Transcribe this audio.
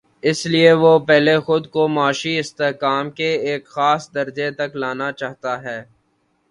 اس لیے وہ پہلے خود کو معاشی استحکام کے ایک خاص درجے تک لا نا چاہتا ہے۔